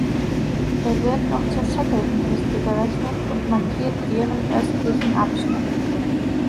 Er wird noch zur Shackleton-Küste gerechnet und markiert deren östlichsten Abschnitt.